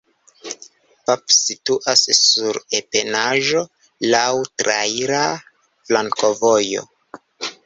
Pap situas sur ebenaĵo, laŭ traira flankovojo.